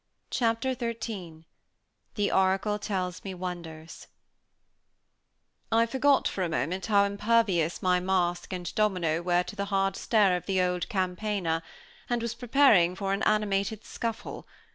Chapter XIII THE ORACLE TELLS ME WONDERS I forgot for a moment how impervious my mask and domino were to the hard stare of the old campaigner, and was preparing for an animated scuffle.